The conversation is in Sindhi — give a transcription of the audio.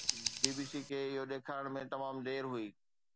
بي بي سي کي اهو ڏيکارڻ ۾ تمام دير هئي.